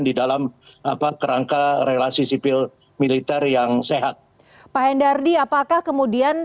di dalam apa kerangka relasi sipil militer yang sehat pak hendardi apakah kemudian